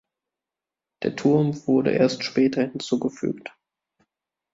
Der Turm wurde erst später hinzugefügt.